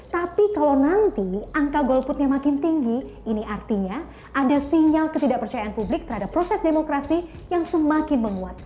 tapi kalau nanti angka golputnya makin tinggi ini artinya ada sinyal ketidakpercayaan publik terhadap proses demokrasi yang semakin menguat